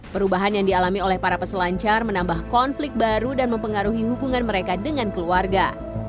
perubahan yang dialami oleh para peselancar menambah konflik baru dan mempengaruhi hubungan mereka dengan keluarga